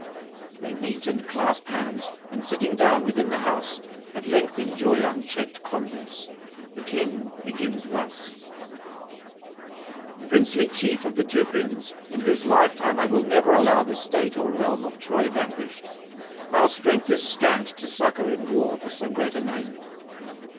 They meet and clasp hands, and, sitting down within the house, at length enjoy unchecked converse. The King begins thus: ... [470 505]'Princely chief of the Teucrians, in whose lifetime I will never allow the state or realm of Troy vanquished, our strength is scant to succour in war for so great a name.